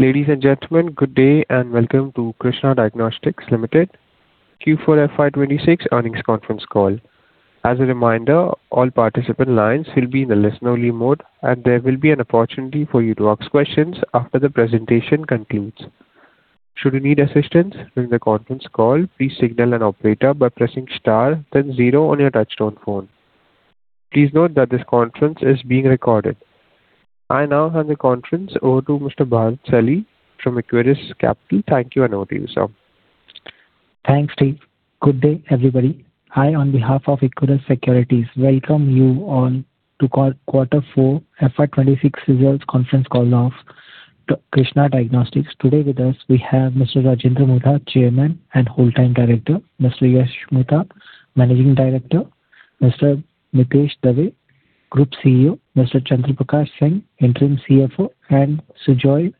Ladies and gentlemen, good day and welcome to Krsnaa Diagnostics Limited Q4 FY 2026 earnings conference call. I now hand the conference over to Mr. Bharat Saluja from Equirus Capital. Thank you and over to you, sir. Thanks, Steve. Good day, everybody. Hi, on behalf of Equirus Securities, welcome you all to quarter four FY 2026 results conference call of Krsnaa Diagnostics. Today with us, we have Mr. Rajendra Mutha, Chairman and Whole-Time Director, Mr. Yash Mutha, Managing Director, Mr. Mitesh Dave, Group CEO, Mr. Chandra Prakash, Interim CFO, and Sujoy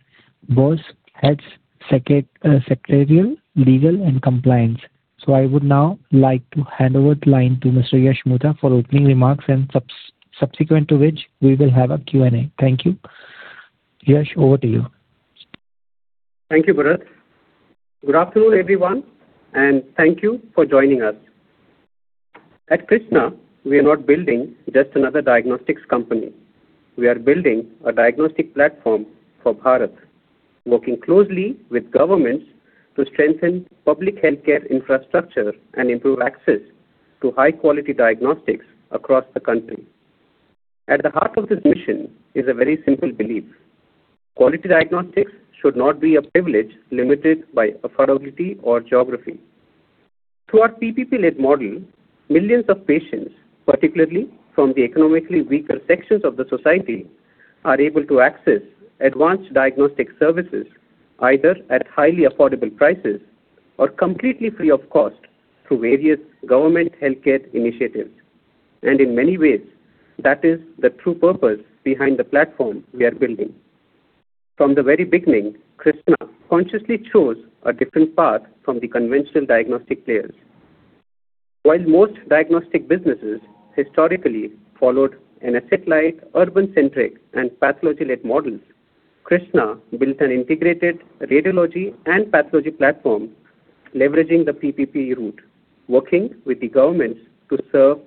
Bose, Head Secretarial, Legal, and Compliance. I would now like to hand over the line to Mr. Yash Mutha for opening remarks and subsequent to which we will have a Q&A. Thank you. Yash, over to you. Thank you, Bharat. Good afternoon, everyone, and thank you for joining us. At Krsnaa, we are not building just another diagnostics company. We are building a diagnostic platform for Bharat, working closely with governments to strengthen public healthcare infrastructure and improve access to high-quality diagnostics across the country. At the heart of this mission is a very simple belief. Quality diagnostics should not be a privilege limited by affordability or geography. Through our PPP-led model, millions of patients, particularly from the economically weaker sections of the society, are able to access advanced diagnostic services either at highly affordable prices or completely free of cost through various government healthcare initiatives. In many ways, that is the true purpose behind the platform we are building. From the very beginning, Krsnaa consciously chose a different path from the conventional diagnostic players. While most diagnostic businesses historically followed an asset-light, urban-centric, and pathology-led model, Krsnaa built an integrated radiology and pathology platform leveraging the PPP route, working with the government to serve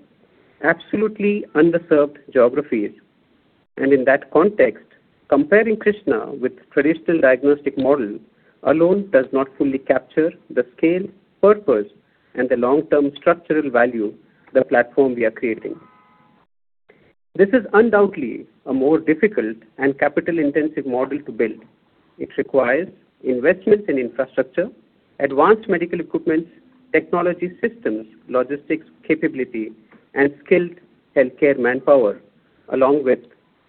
absolutely underserved geographies. In that context, comparing Krsnaa with traditional diagnostic model alone does not fully capture the scale, purpose, and the long-term structural value of the platform we are creating. This is undoubtedly a more difficult and capital-intensive model to build. It requires investments in infrastructure, advanced medical equipment, technology systems, logistics capability, and skilled healthcare manpower, along with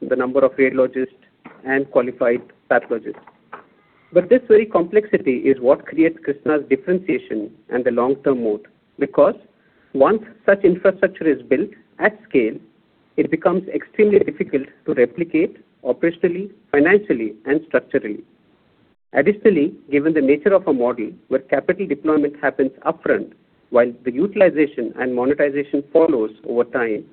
the number of radiologists and qualified pathologists. This very complexity is what creates Krsnaa's differentiation and the long-term moat, because once such infrastructure is built at scale, it becomes extremely difficult to replicate operationally, financially, and structurally. Additionally, given the nature of a model where capital deployment happens upfront while the utilization and monetization follows over time,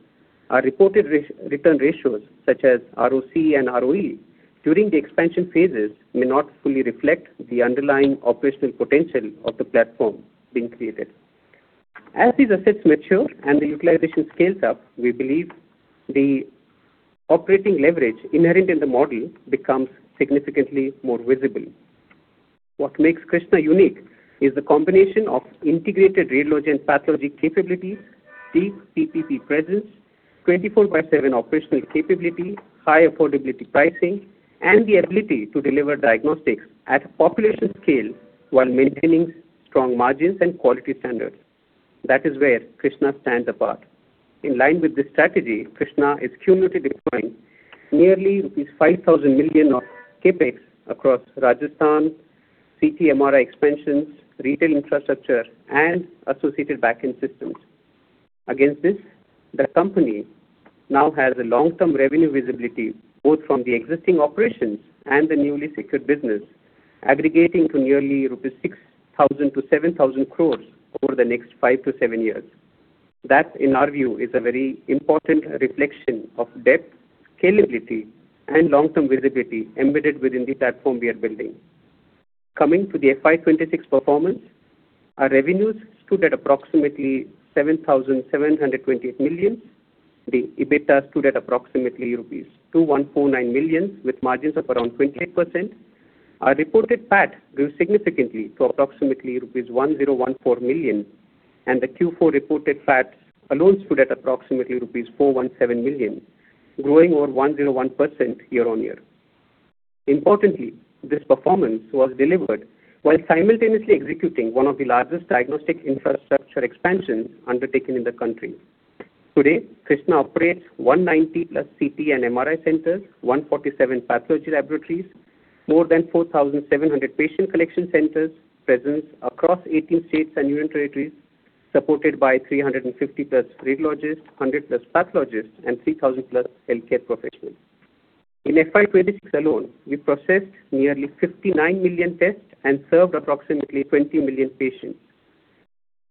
our reported return ratios such as ROC and ROE during the expansion phases may not fully reflect the underlying operational potential of the platform being created. As these assets mature and the utilization scales up, we believe the operating leverage inherent in the model becomes significantly more visible. What makes Krsnaa unique is the combination of integrated radiology and pathology capabilities, deep PPP presence, 24 by 7 operational capability, high affordability pricing, and the ability to deliver diagnostics at population scale while maintaining strong margins and quality standards. That is where Krsnaa stands apart. In line with this strategy, Krsnaa is cumulatively deploying nearly rupees 5,000 million of CapEx across Rajasthan, CT MRI expansions, retail infrastructure, and associated backend systems. Against this, the company now has a long-term revenue visibility both from the existing operations and the newly secured business aggregating to nearly rupees 6,000-7,000 crore over the next five-seven years. That, in our view, is a very important reflection of depth, scalability, and long-term visibility embedded within the platform we are building. Coming to the FY 2026 performance, our revenues stood at approximately 7,728 million. The EBITDA stood at approximately rupees 2,149 million with margins of around 28%. Our reported PAT grew significantly to approximately rupees 1,014 million, and the Q4 reported PAT alone stood at approximately rupees 417 million, growing over 101% year-over-year. Importantly, this performance was delivered while simultaneously executing one of the largest diagnostic infrastructure expansions undertaken in the country. Today, Krsnaa operates 190+ CT and MRI centers, 147 pathology laboratories, more than 4,700 patient collection centers presence across 18 states and union territories, supported by 350+ radiologists, 100+ pathologists, and 3,000+ healthcare professionals. In FY 2026 alone, we processed nearly 59 million tests and served approximately 20 million patients.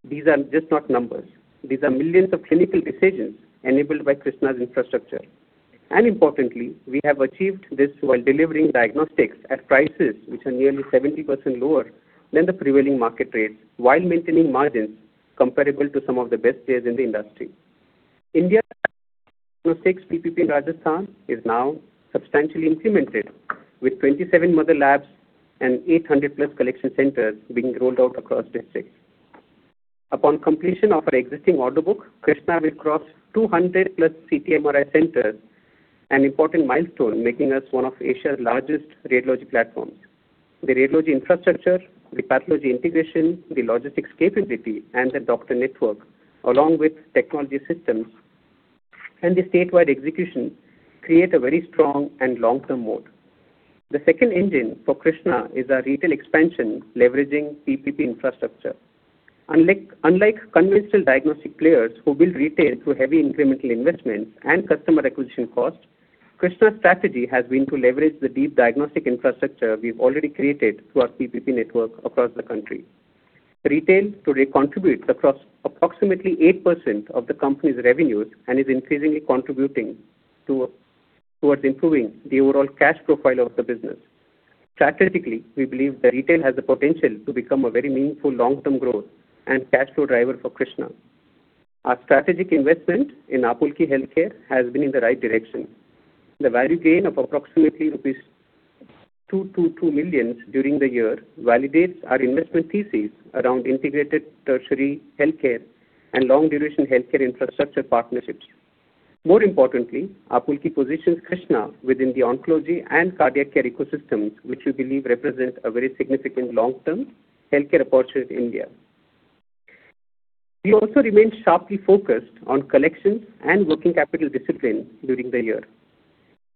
These are just not numbers. These are millions of clinical decisions enabled by Krsnaa's infrastructure. Importantly, we have achieved this while delivering diagnostics at prices which are nearly 70% lower than the prevailing market rates while maintaining margins comparable to some of the best players in the industry. India 26 PPP Rajasthan is now substantially implemented with 27 mother labs and 800-plus collection centers being rolled out across districts. Upon completion of our existing order book, Krsnaa will cross 200+ CT MRI centers, an important milestone making us one of Asia's largest radiology platforms. The radiology infrastructure, the pathology integration, the logistics capability, and the doctor network, along with technology systems and the statewide execution, create a very strong and long-term moat. The second engine for Krsnaa is our retail expansion leveraging PPP infrastructure. Unlike conventional diagnostic players who build retail through heavy incremental investment and customer acquisition costs, Krsnaa's strategy has been to leverage the deep diagnostic infrastructure we've already created through our PPP network across the country. Retail today contributes approximately 8% of the company's revenues and is increasingly contributing towards improving the overall cash profile of the business. Strategically, we believe that retail has the potential to become a very meaningful long-term growth and cash flow driver for Krsnaa. Our strategic investment in Apulki Healthcare has been in the right direction. The value gain of approximately rupees 222 million during the year validates our investment thesis around integrated tertiary healthcare and long-duration healthcare infrastructure partnerships. More importantly, Apulki positions Krsnaa within the oncology and cardiac care ecosystems, which we believe represent a very significant long-term healthcare opportunity in India. We also remain sharply focused on collections and working capital discipline during the year.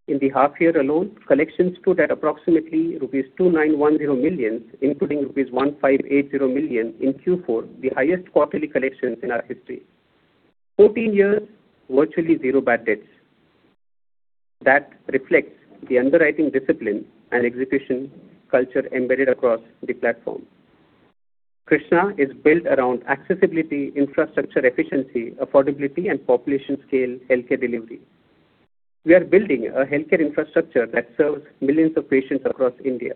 In the half year alone, collections stood at approximately rupees 2,910 million, including rupees 1,580 million in Q4, the highest quarterly collections in our history. 14 years, virtually zero bad debts. That reflects the underwriting discipline and execution culture embedded across the platform. Krsnaa is built around accessibility, infrastructure efficiency, affordability, and population-scale healthcare delivery. We are building a healthcare infrastructure that serves millions of patients across India.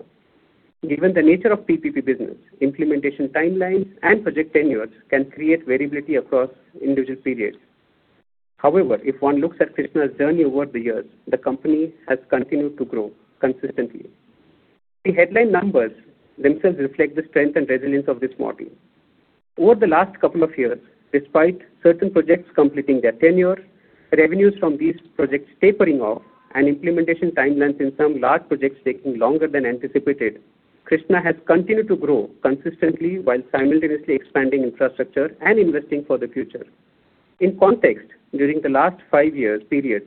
Given the nature of PPP business, implementation timelines and project tenures can create variability across individual periods. However, if one looks at Krsnaa's journey over the years, the company has continued to grow consistently. The headline numbers themselves reflect the strength and resilience of this model. Over the last couple of years, despite certain projects completing their tenures, revenues from these projects tapering off, and implementation timelines in some large projects taking longer than anticipated, Krsnaa has continued to grow consistently while simultaneously expanding infrastructure and investing for the future. In context, during the last five years period,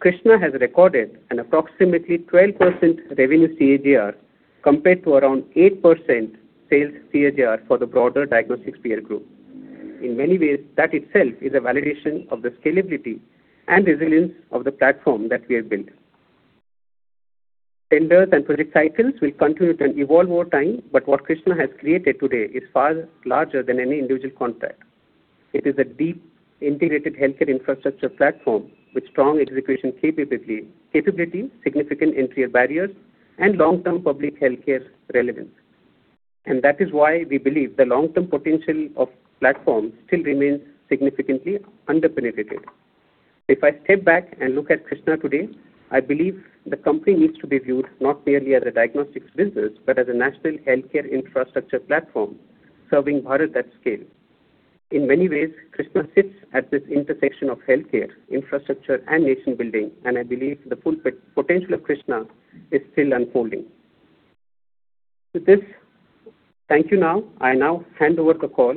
Krsnaa has recorded an approximately 12% revenue CAGR compared to around 8% sales CAGR for the broader diagnostic peer group. In many ways, that itself is a validation of the scalability and resilience of the platform that we have built. Tenders and project cycles will continue to evolve over time, but what Krsnaa has created today is far larger than any individual contract. It is a deep, integrated healthcare infrastructure platform with strong execution capability, significant entry barriers, and long-term public healthcare relevance. That is why we believe the long-term potential of the platform still remains significantly underpenetrated. If I step back and look at Krsnaa today, I believe the company needs to be viewed not merely as a diagnostics business, but as a national healthcare infrastructure platform serving Bharat at scale. In many ways, Krsnaa sits at this intersection of healthcare, infrastructure, and nation-building, and I believe the full potential of Krsnaa is still unfolding. With this, thank you. Now, I now hand over the call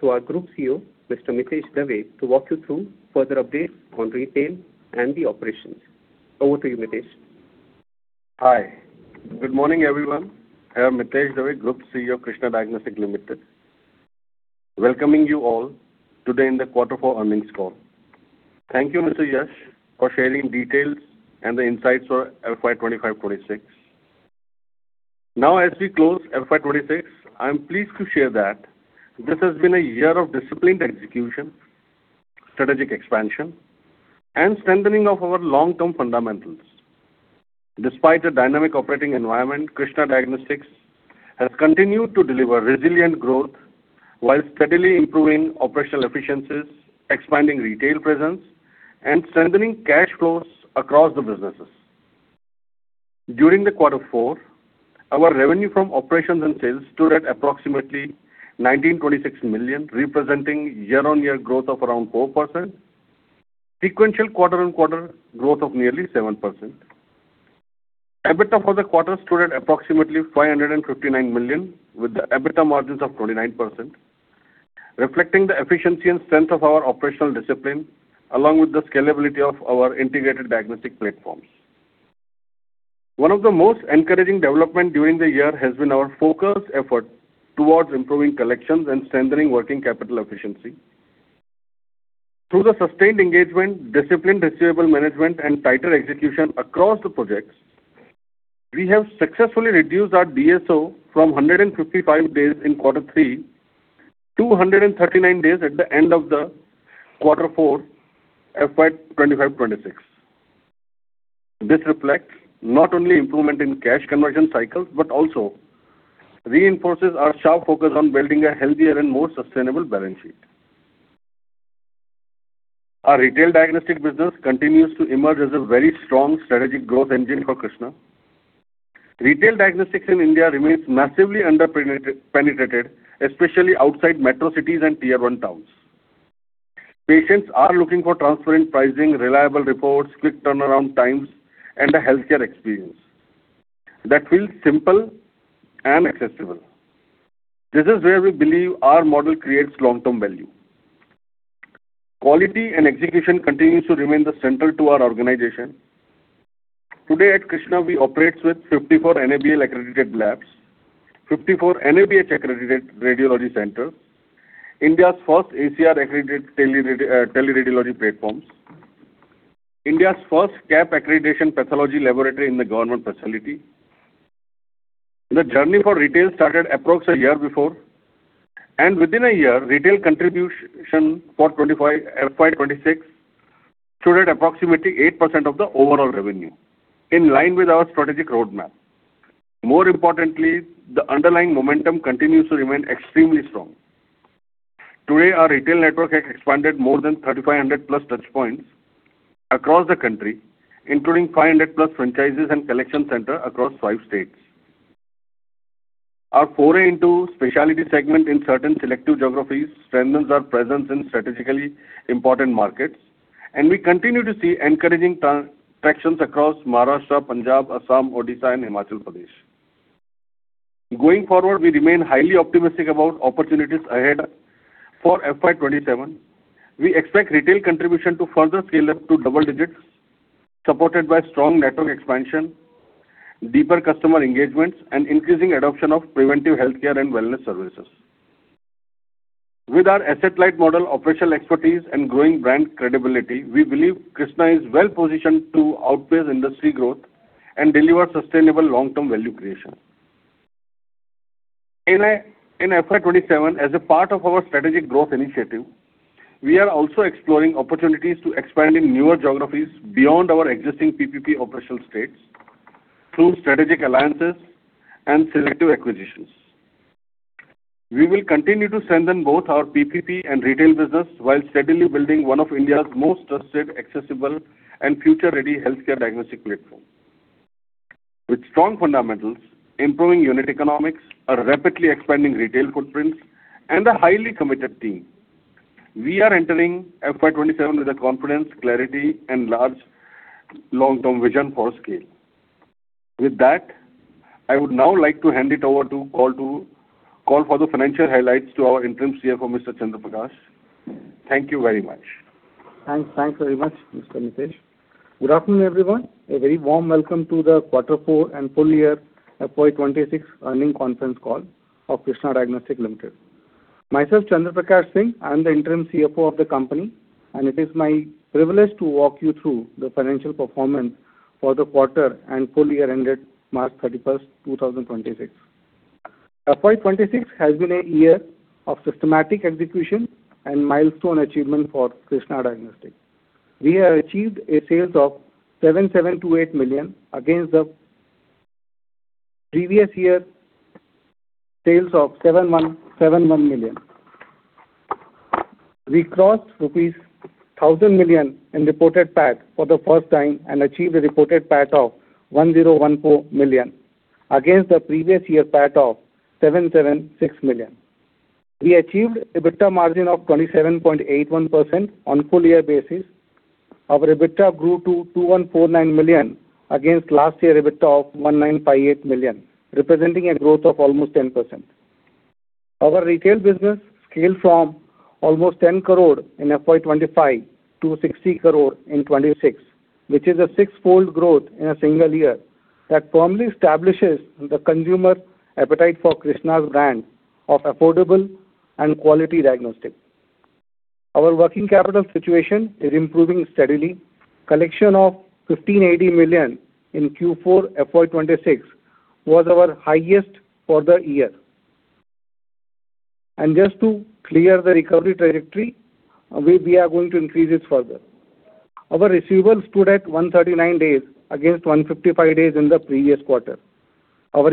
to our Group CEO, Mr. Mitesh Dave, to walk you through further updates on retail and the operations. Over to you, Mitesh. Hi. Good morning, everyone. I am Mitesh Dave, Group CEO, Krsnaa Diagnostics Limited, welcoming you all today in the quarter four earnings call. Thank you, Mr. Yash, for sharing details and the insights for FY 2025/2026. Now as we close FY 2026, I'm pleased to share that this has been a year of disciplined execution, strategic expansion, and strengthening of our long-term fundamentals. Despite a dynamic operating environment, Krsnaa Diagnostics has continued to deliver resilient growth while steadily improving operational efficiencies, expanding retail presence, and strengthening cash flows across the businesses. During the quarter four, our revenue from operations and sales stood at approximately 1,926 million, representing year-on-year growth of around 4%, sequential quarter-on-quarter growth of nearly 7%. EBITDA for the quarter stood at approximately 559 million, with the EBITDA margins of 29%, reflecting the efficiency and strength of our operational discipline along with the scalability of our integrated diagnostic platforms. One of the most encouraging development during the year has been our focused effort towards improving collections and strengthening working capital efficiency. Through the sustained engagement, disciplined receivable management, and tighter execution across the projects, we have successfully reduced our DSO from 155 days in quarter three to 139 days at the end of the quarter four FY 2025/2026. This reflects not only improvement in cash conversion cycles, but also reinforces our sharp focus on building a healthier and more sustainable balance sheet. Our retail diagnostic business continues to emerge as a very strong strategic growth engine for Krsnaa. Retail diagnostics in India remains massively underpenetrated, especially outside metro cities and Tier 1 towns. Patients are looking for transparent pricing, reliable reports, quick turnaround times, and a healthcare experience that feels simple and accessible. This is where we believe our model creates long-term value. Quality and execution continues to remain the center to our organization. Today at Krsnaa, we operate with 54 NABL accredited labs, 54 NABH accredited radiology centers, India's first ACR accredited teleradiology platform, India's first CAP accreditation pathology laboratory in a government facility. The journey for retail started approximately a year before, and within a year, retail contribution for FY 2026 stood at approximately 8% of the overall revenue, in line with our strategic roadmap. More importantly, the underlying momentum continues to remain extremely strong. Today, our retail network has expanded more than 3,500+ touch points across the country, including 500+ franchises and collection centers across five states. Our foray into specialty segment in certain selective geographies strengthens our presence in strategically important markets, and we continue to see encouraging tractions across Maharashtra, Punjab, Assam, Odisha, and Himachal Pradesh. Going forward, we remain highly optimistic about opportunities ahead for FY 2027. We expect retail contribution to further scale up to double digits, supported by strong network expansion, deeper customer engagements, and increasing adoption of preventive healthcare and wellness services. With our asset-light model, operational expertise, and growing brand credibility, we believe Krsnaa is well-positioned to outpace industry growth and deliver sustainable long-term value creation. In FY 2027, as a part of our strategic growth initiative, we are also exploring opportunities to expand in newer geographies beyond our existing PPP operational states through strategic alliances and selective acquisitions. We will continue to strengthen both our PPP and retail business while steadily building one of India's most trusted, accessible, and future-ready healthcare diagnostic platforms. With strong fundamentals, improving unit economics, a rapidly expanding retail footprint, and a highly committed team, we are entering FY 2027 with confidence, clarity, and large long-term vision for scale. With that, I would now like to hand it over to call for the financial highlights to our Interim CFO, Mr. Chandra Prakash. Thank you very much. Thanks very much, Mr. Mitesh. Good afternoon, everyone. A very warm welcome to the Quarter Four and full year FY 2026 earnings conference call of Krsnaa Diagnostics Limited. Myself, Chandra Prakash, I'm the interim CFO of the company, and it is my privilege to walk you through the financial performance for the quarter and full year ended March 31st, 2026. FY 2026 has been a year of systematic execution and milestone achievement for Krsnaa Diagnostics. We have achieved a sales of 778 million against the previous year sales of 7,171 million. We crossed rupees 1,000 million in reported PAT for the first time and achieved a reported PAT of 1,014 million against the previous year PAT of 776 million rupees. We achieved EBITDA margin of 27.81% on full year basis. Our EBITDA grew to 2,149 million against last year EBITDA of 1,958 million, representing a growth of almost 10%. Our retail business scaled from almost 10 crore in FY 2025 to 60 crore in FY 2026, which is a six-fold growth in a single year that firmly establishes the consumer appetite for Krsnaa's brand of affordable and quality diagnostics. Our working capital situation is improving steadily. Collection of 1,580 million in Q4 FY 2026 was our highest for the year. Just to clear the recovery trajectory, we are going to increase it further. Our receivables stood at 139 days against 155 days in the previous quarter. Our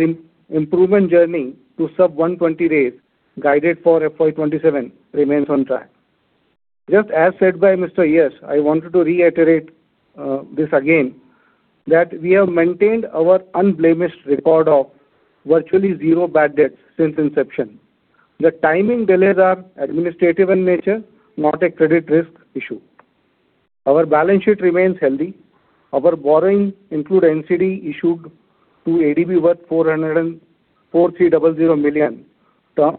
improvement journey to sub 120 days guided for FY 2027 remains on track. Just as said by Mr. Mitesh, I wanted to reiterate this again, that we have maintained our unblemished record of virtually zero bad debt since inception. The timing delay are administrative in nature, not a credit risk issue. Our balance sheet remains healthy. Our borrowings include NCD issued to ADB worth 4,300 million, term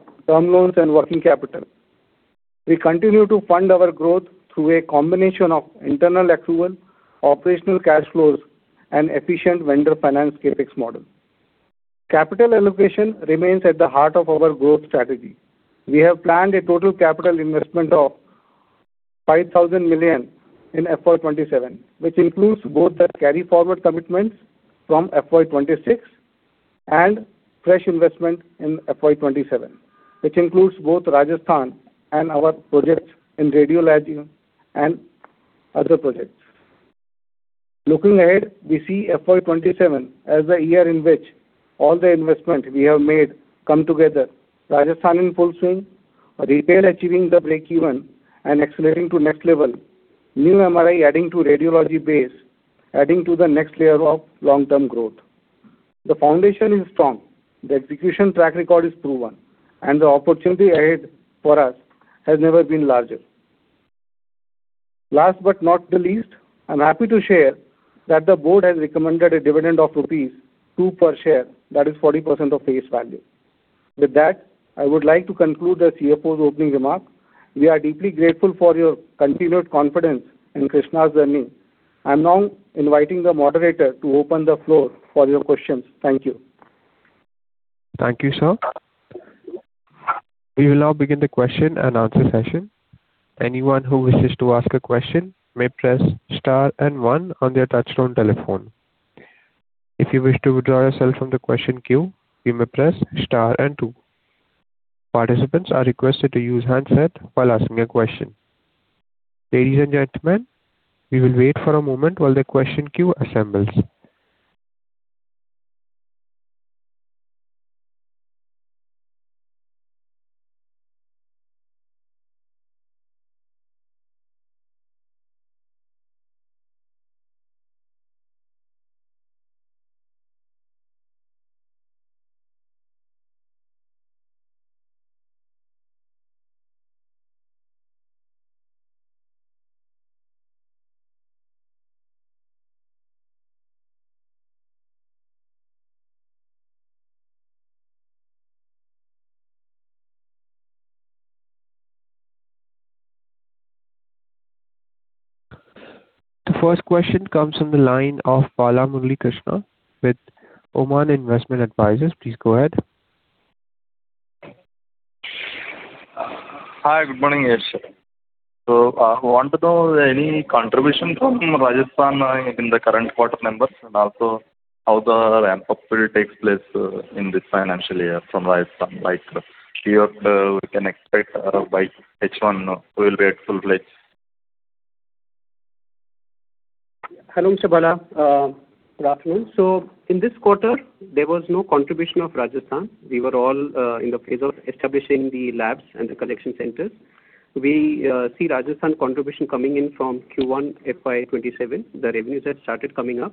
loans, and working capital. We continue to fund our growth through a combination of internal accrual, operational cash flows, and efficient vendor finance CapEx model. Capital allocation remains at the heart of our growth strategy. We have planned a total capital investment of 5,000 million in FY 2027, which includes both the carry-forward commitments from FY 2026 and fresh investment in FY 2027, which includes both Rajasthan and our projects in radiology and other projects. Looking ahead, we see FY 2027 as the year in which all the investment we have made come together. Rajasthan in full swing, retail achieving the breakeven and accelerating to next level, new MRI adding to radiology base, adding to the next layer of long-term growth. The foundation is strong, the execution track record is proven, and the opportunity ahead for us has never been larger. Last but not the least, I'm happy to share that the board has recommended a dividend of rupees 2 per share, that is 40% of face value. With that, I would like to conclude the CFO's opening remarks. We are deeply grateful for your continued confidence in Krsnaa's journey. I'm now inviting the moderator to open the floor for your questions. Thank you. Thank you, sir. We will now begin the question and answer session. Anyone who wishes to ask a question may press star and one on their touchtone telephone. If you wish to withdraw yourself from the question queue, you may press star and two. Participants are requested to use handset while asking a question. Ladies and gentlemen, we will wait for a moment while the question queue assembles. The first question comes on the line of Balamurali Krishna with Oman Investment Advisors. Please go ahead. Hi, good morning, everyone. I want to know any contribution from Rajasthan in the current quarter numbers and also how the ramp-up will take place in this financial year from Rajasthan. By Q3, we can expect by H1 will be at full pledge. Hello, Krishna. Good afternoon. In this quarter, there was no contribution of Rajasthan. We were all in the phase of establishing the labs and the collection centers. We see Rajasthan contribution coming in from Q1 FY 2027. The revenues have started coming up.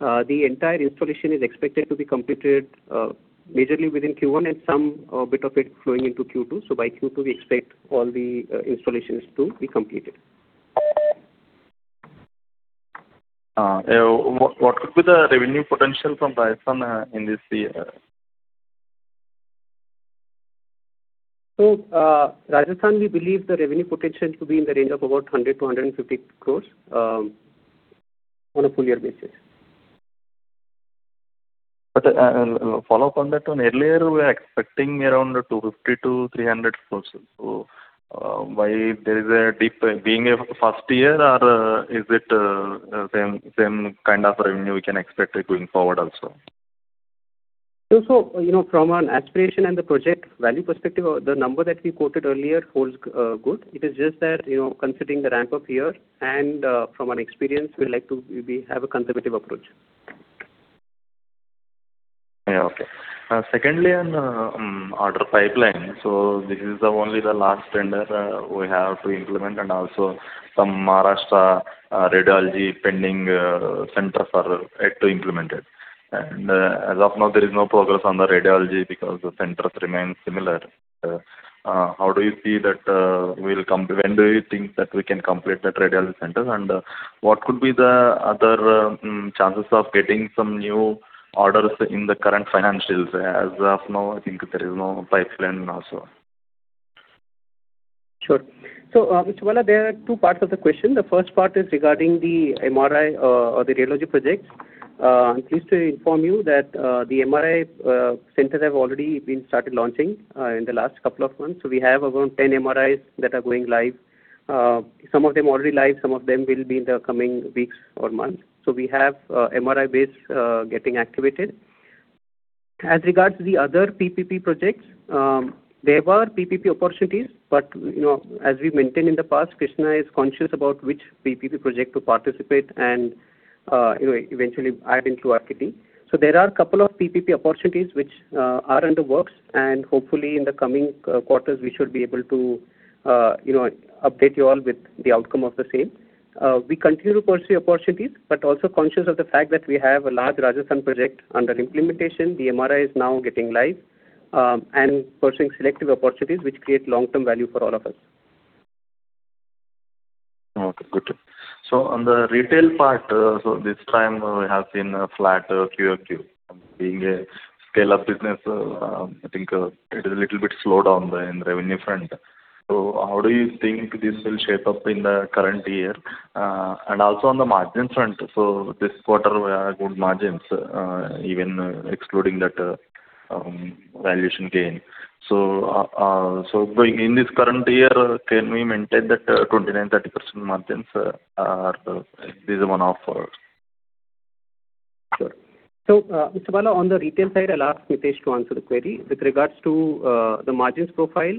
The entire installation is expected to be completed majorly within Q1 and some bit of it flowing into Q2. By Q2, we expect all the installations to be completed. What could be the revenue potential from Rajasthan in this year? Rajasthan, we believe the revenue potential to be in the range of about 100 crore-150 crore on a full year basis. Follow up on that one. Earlier, we were expecting around 250-300 crores. Why there is a difference being a first year, or is it same kind of revenue we can expect it going forward also? From an aspiration and the project value perspective, the number that we quoted earlier holds good. It is just that considering the ramp-up year and from an experience, we have a conservative approach. Okay. Secondly, on order pipeline. This is only the last tender we have to implement and also some Maharashtra radiology pending centers are yet to implement it. As of now, there is no progress on the radiology because the centers remain similar. When do you think that we can complete the radiology centers, and what could be the other chances of getting some new orders in the current financials? As of now, I think there is no pipeline also. Sure. Krishna, there are two parts of the question. The first part is regarding the MRI, the radiology project. I'm pleased to inform you that the MRI centers have already been started launching in the last couple of months. We have about 10 MRIs that are going live. Some of them already live, some of them will be in the coming weeks or months. We have MRI base getting activated. As regards to the other PPP projects, there were PPP opportunities, but as we mentioned in the past, Krishna is conscious about which PPP project to participate and eventually add into our kitty. There are a couple of PPP opportunities which are in the works, and hopefully in the coming quarters, we should be able to update you all with the outcome of the same. We continue to pursue opportunities, but also conscious of the fact that we have a large Rajasthan project under implementation. The MRI is now getting live and pursuing selective opportunities which create long-term value for all of us. Okay, got it. On the retail part, this time we have seen a flatter Q-over-Q. Being a scale-up business, I think it is a little bit slowdown in revenue front. How do you think this will shape up in the current year? Also on the margins front, this quarter we had good margins even excluding that valuation gain. In this current year, can we maintain that 29%-30% margins or is this a one-off? Sure. Mr. Bala, on the retail side, I'll ask Mitesh to answer the query. With regards to the margins profile,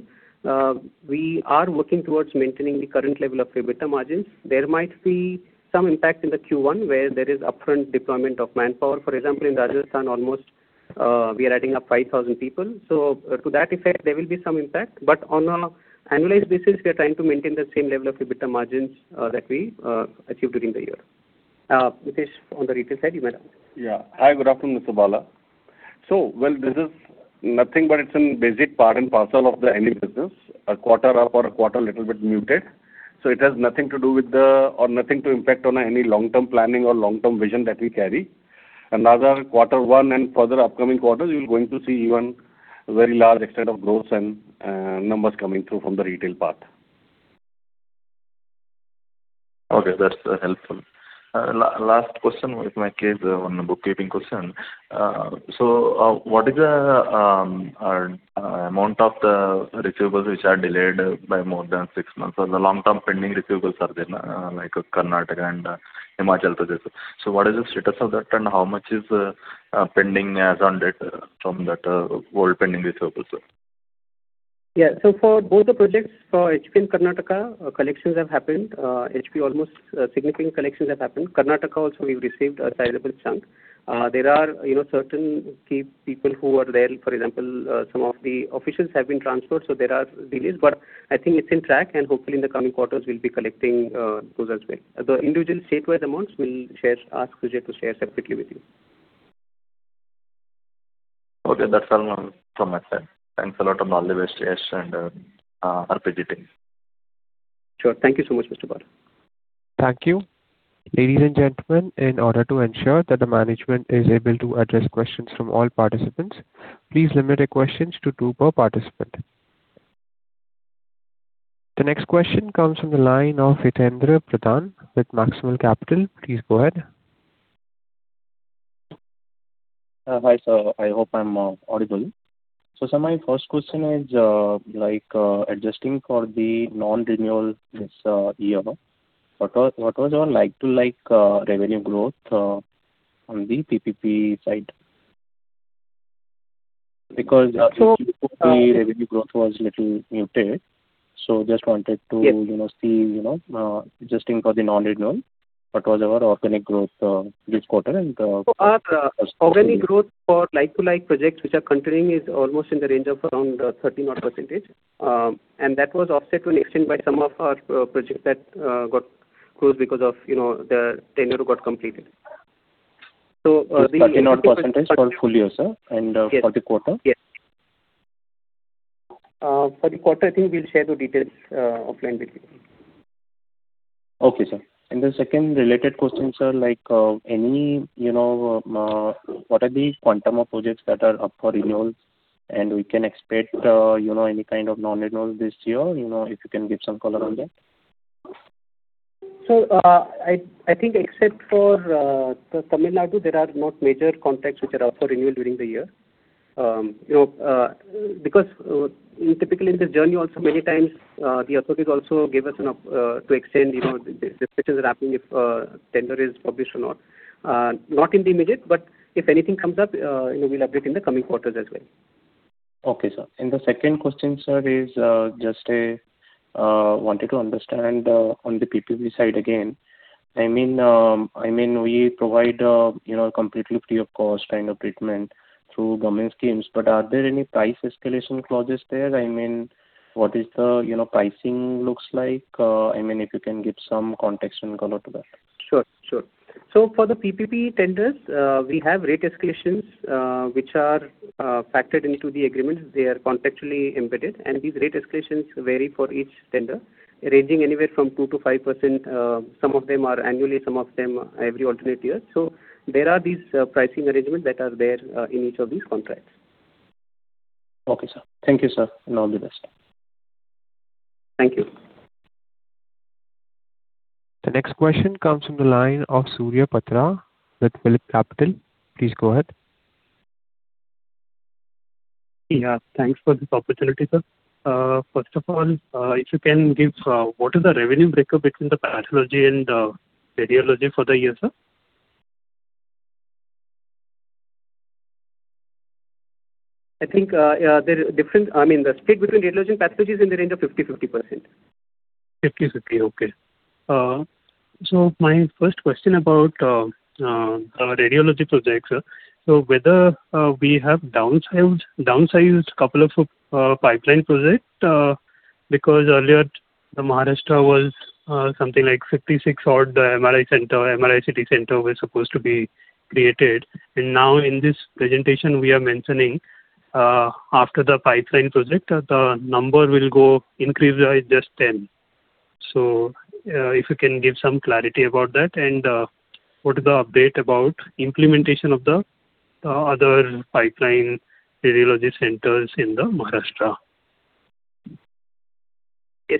we are working towards maintaining the current level of EBITDA margins. There might be some impact in the Q1 where there is upfront deployment of manpower. For example, in Rajasthan almost we're adding up 5,000 people. To that effect, there will be some impact. On an annualized basis, we are trying to maintain the same level of EBITDA margins that we achieved during the year. Mitesh, on the retail side, you might like to. Yeah. Hi, good afternoon, Mr. Bala. Well, this is nothing but some basic part and parcel of the annual business. A quarter up or a quarter little bit muted. It has nothing to do with the, or nothing to impact on any long-term planning or long-term vision that we carry. Quarter one and further upcoming quarters, you're going to see even very large extent of growth and numbers coming through from the retail part. Okay, that's helpful. Last question with my case on the bookkeeping question. What is the amount of the receivables which are delayed by more than six months or the long-term pending receivables are there, like Karnataka and Himachal Pradesh. What is the status of that and how much is pending as on date from that whole pending receivables, sir? For both the projects, for HP and Karnataka, collections have happened. HP almost significant collections have happened. Karnataka also we've received a sizable chunk. There are certain key people who were there, for example some of the officials have been transferred, so there are delays, but I think it's in track and hopefully in the coming quarters we'll be collecting those as well. The individual state-wise amounts we'll ask Sujoy to share separately with you. Okay. That's all from my side. Thanks a lot and all the best, Yash, and happy good day. Sure. Thank you so much, Mr. Bala. Thank you. Ladies and gentlemen, in order to ensure that the management is able to address questions from all participants, please limit your questions to two per participant. The next question comes from the line of Hitaindra Pradhan with Maximal Capital. Please go ahead. Hi, sir. I hope I'm audible. Sir, my first question is adjusting for the non-renewal this year, what was your like-to-like revenue growth on the PPP side? So- The revenue growth was little muted. Yes. See adjusting for the non-renewal, what was our organic growth this quarter and the first quarter growth? Our organic growth for like-to-like projects which are continuing is almost in the range of around 30% that was offset to an extent by some of our projects that got closed because the tenure got completed. 30 odd % for full year, sir, and for the quarter? Yes. For the quarter, I think we'll share the details offline with you. Okay, sir. The second related question, sir, what are the quantum of projects that are up for renewal and we can expect any kind of non-renewal this year, if you can give some color on that? Sir, I think except for Tamil Nadu, there are no major contracts which are up for renewal during the year. Typically in this journey also many times the authorities also give us to extend this is happening if a tender is published or not. Not in the immediate. If anything comes up, we'll update in the coming quarter as well. Okay, sir. The second question, sir, is just wanted to understand on the PPP side again. We provide a completely free of cost kind of treatment through government schemes, but are there any price escalation clauses there? What is the pricing looks like? If you can give some context and color to that. Sure. For the PPP tenders, we have rate escalations which are factored into the agreements. They are contractually embedded. These rate escalations vary for each tender, ranging anywhere from 2%-5%. Some of them are annually, some of them every alternate year. There are these pricing arrangements that are there in each of these contracts. Okay, sir. Thank you, sir, and all the best. Thank you. The next question comes from the line of Surya Patra with PhillipCapital. Please go ahead. Yeah, thanks for this opportunity, sir. First of all, if you can give what is the revenue breakup between the pathology and the radiology for the year, sir? I mean, the split between radiology and pathology is in the range of 50/50%. 50/50. Okay. My first question about radiology projects, sir. Whether we have downsized couple of pipeline project because earlier the Maharashtra was something like 56 odd MRI center, MRI CT center were supposed to be created and now in this presentation we are mentioning after the pipeline project the number will increase by just 10. If you can give some clarity about that and what is the update about implementation of the other pipeline radiology centers in the Maharashtra? Yes.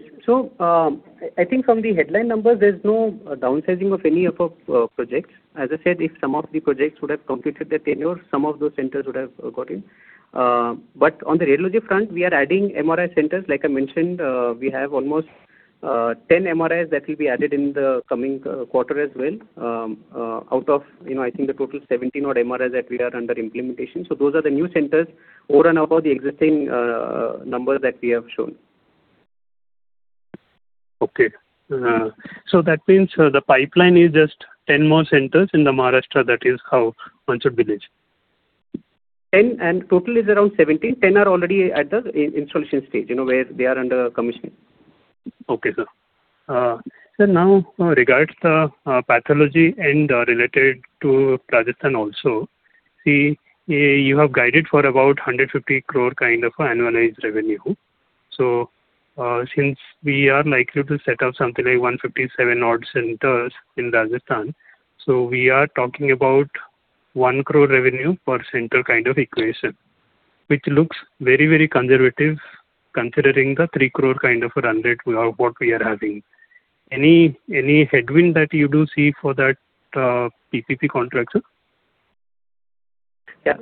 I think from the headline number, there's no downsizing of any of our projects. As I said, if some of the projects would have completed their tenure, some of those centers would have gotten. On the radiology front, we are adding MRI centers. Like I mentioned, we have almost 10 MRIs that will be added in the coming quarter as well, out of I think a total 17 odd MRIs that we are under implementation. Those are the new centers over and above the existing numbers that we have shown. Okay. That means the pipeline is just 10 more centers in the Maharashtra, that is how much will be there. Ten, and total is around 17. Ten are already at the installation stage, where they are under commissioning. Okay, sir. Now regarding the pathology and related to Rajasthan also. See, you have guided for about 150 crore kind of annualized revenue. Since we are likely to set up something like 157 odd centers in Rajasthan, we are talking about 1 crore revenue per center kind of equation. Which looks very conservative considering the 3 crore kind of run rate what we are having. Any headwind that you do see for that PPP contracts? I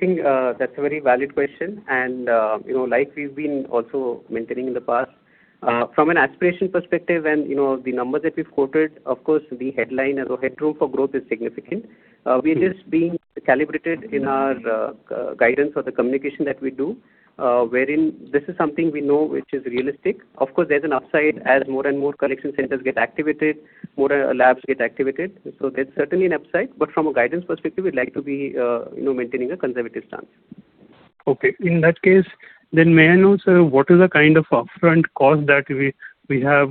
think that's a very valid question and like we've been also maintaining in the past. From an aspiration perspective and the numbers that we've quoted, of course, the headline run rate for growth is significant. We're just being calibrated in our guidance or the communication that we do, wherein this is something we know which is realistic. Of course, there's an upside as more and more collection centers get activated, more labs get activated. There's certainly an upside. From a guidance perspective, we like to be maintaining a conservative stance. Okay. In that case, may I know, sir, what is the kind of upfront cost that we would have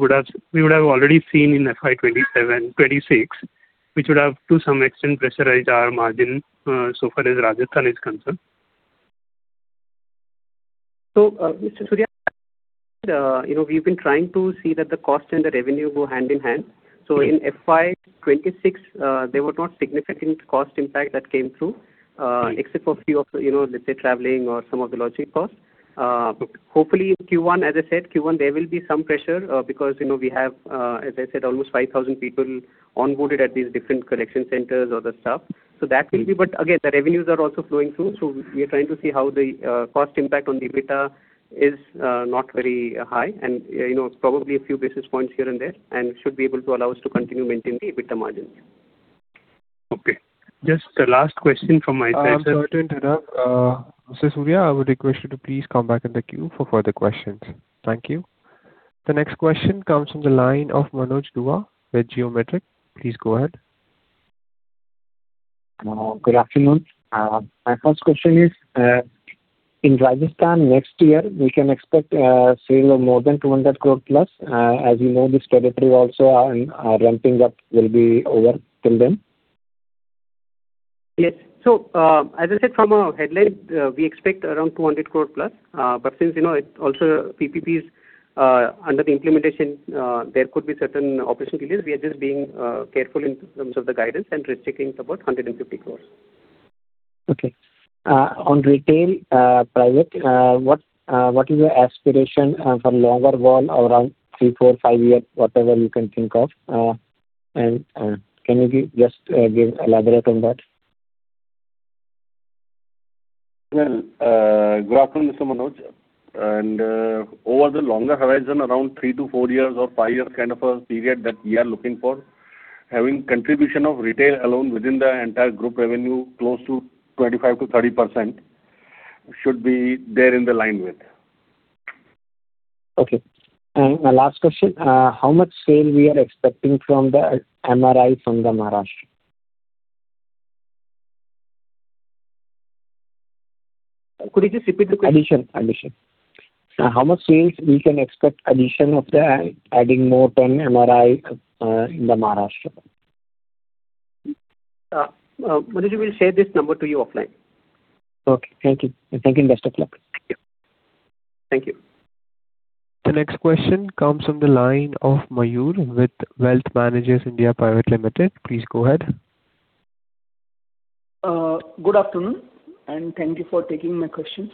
already seen in FY 2027, 2026, which would have to some extent pressurized our margin so far as Rajasthan is concerned? Surya, we've been trying to see that the cost and the revenue go hand in hand. In FY 2026, there was no significant cost impact that came through, except for few of let's say, traveling or some of the logic costs. Hopefully, Q1, as I said, Q1, there will be some pressure because we have, as I said, almost 5,000 people onboarded at these different collection centers or the stuff. But again, the revenues are also flowing through. We are trying to see how the cost impact on the EBITDA is not very high and it's probably a few basis points here and there, and should be able to allow us to continue maintaining the EBITDA margins. Okay. Just the last question from my side. Surya, I would request you to please come back in the queue for further questions. Thank you. The next question comes from the line of Manoj Dua with Geometric. Please go ahead. Good afternoon. My first question is, in Rajasthan next year, we can expect sale of more than 200 crore plus. As you know, this territory also are ramping up will be over till then. Yes. As I said, from a headline, we expect around 200 crore plus. Since it's also PPP is under the implementation, there could be certain operational issues. We are just being careful in terms of the guidance and restricting about 150 crore. Okay. On retail project, what is your aspiration from longer one around three, four, five years, whatever you can think of? Can you just again elaborate on that? Well, good afternoon, Mr. Manoj. Over the longer horizon, around three to four years or five years kind of a period that we are looking for, having contribution of retail alone within the entire group revenue close to 25%-30% should be there in the line with. Okay. Last question, how much sale we are expecting from the MRI from the Maharashtra? Could you just repeat the question? Addition. How much sales we can expect addition of adding more ten MRI in the Maharashtra? Manoj, we'll share this number to you offline. Okay. Thank you. Thank you. Best of luck. Thank you. The next question comes from the line of Mayur with Wealth Managers India Private Limited. Please go ahead. Good afternoon, and thank you for taking my questions.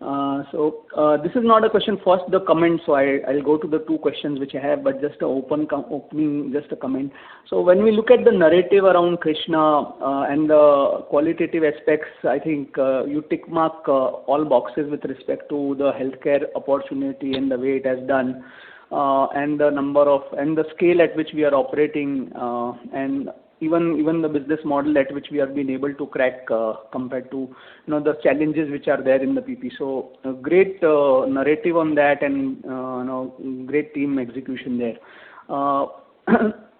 This is not a question first, a comment. I'll go to the two questions which I have, but just opening, just a comment. When we look at the narrative around Krsnaa and the qualitative aspects, I think you tick mark all boxes with respect to the healthcare opportunity and the way it has done, and the scale at which we are operating, and even the business model at which we have been able to crack compared to the challenges which are there in the PPP. A great narrative on that and great team execution there.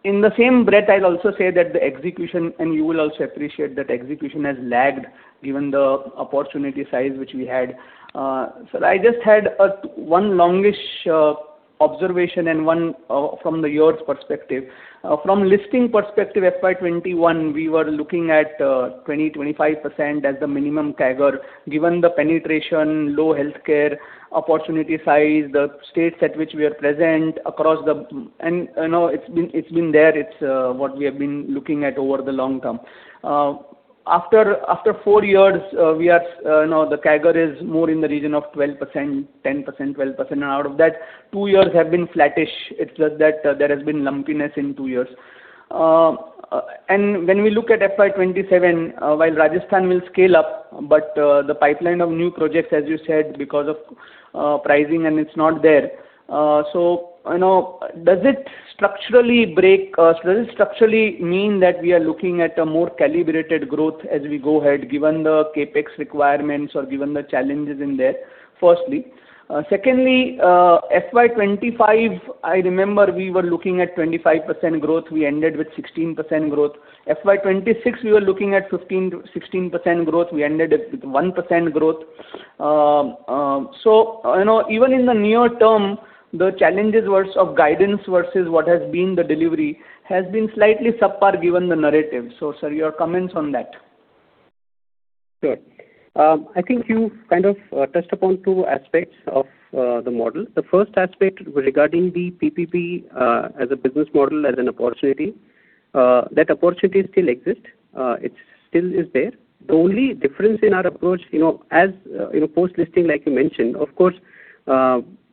In the same breath, I'll also say that the execution, and you will also appreciate that execution has lagged given the opportunity size which we had. Sir, I just had one longish Observation, one from the year's perspective. From listing perspective, FY 2021, we were looking at 20%-25% as the minimum CAGR, given the penetration, low healthcare opportunity size, the states at which we are present, and it's been there. It's what we have been looking at over the long term. After four years, the CAGR is more in the region of 10%-12%. Out of that, two years have been flattish. It's just that there has been lumpiness in two years. When we look at FY 2027, while Rajasthan will scale up, but the pipeline of new projects, as you said, because of pricing and it's not there. Does it structurally mean that we are looking at a more calibrated growth as we go ahead, given the CapEx requirements or given the challenges in there, firstly? Secondly, FY 2025, I remember we were looking at 25% growth, we ended with 16% growth. FY 2026, we were looking at 15%-16% growth, we ended up with 1% growth. Even in the near term, the challenges of guidance versus what has been the delivery has been slightly subpar given the narrative. Sorry, your comments on that. Sure. I think you kind of touched upon two aspects of the model. The first aspect regarding the PPP as a business model, as an opportunity. That opportunity still exists. It still is there. The only difference in our approach, as post-listing, like you mentioned, of course,